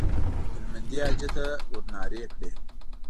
هلمندي حاجي ته ورنارې کړې.